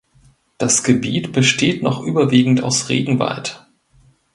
Das Gebiet besteht noch überwiegend aus Regenwald.